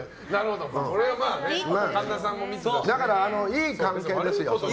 だから、いい関係ですよ。